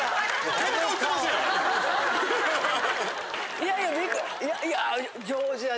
いやいや。